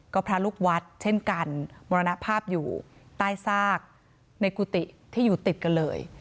ก็พระลูกวัดเช่นกันมรณภาพอยู่ใต้ซากในกุฏิที่อยู่ติดกันเลย